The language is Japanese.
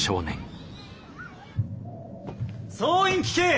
総員聞け！